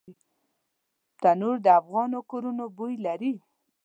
تنور د افغانو کورونو بوی لري